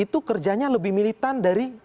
itu kerjanya lebih militan dari